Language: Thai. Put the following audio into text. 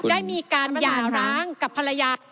ได้มีการหย่าร้างกับภรรยา